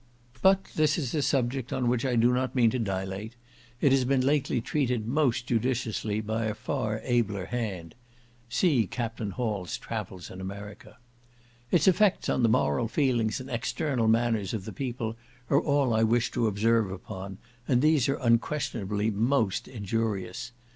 But this is a subject on which I do not mean to dilate; it has been lately treated most judiciously by a far abler hand. Its effects on the moral feelings and external manners of the people are all I wish to observe upon, and these are unquestionably most injurious.